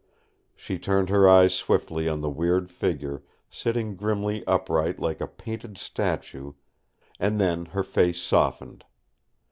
She turned her eyes swiftly on the weird figure, sitting grimly upright like a painted statue; and then her face softened.